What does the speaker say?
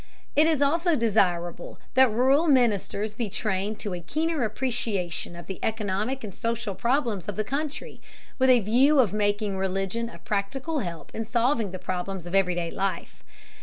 It is also desirable that rural ministers be trained to a keener appreciation of the economic and social problems of the country, with a view to making religion a practical help in solving the problems of everyday life.